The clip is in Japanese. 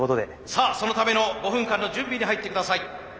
さあそのための５分間の準備に入ってください。